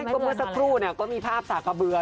ก็เมื่อสักครู่ก็มีภาพสากะเบือ